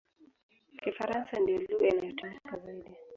Kifaransa ndiyo lugha inayotumika zaidi.